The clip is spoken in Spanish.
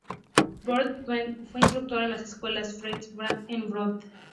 Berta Frey fue instructora en la escuela Fletcher Farm en Vermont.